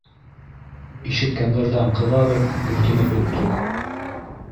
Ишеткәндәрҙән ҡыҙарып-бүртенеп бөттөк.